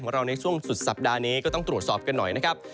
ในช่วงสุดสัปดาห์นี้ก็ต้องตรวจสอบกันหน่อยนะครับ